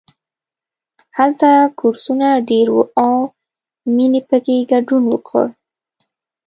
هلته کورسونه ډېر وو او مینې پکې ګډون وکړ